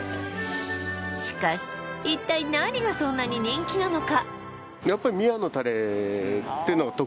しかし一体何がそんなに人気なのか？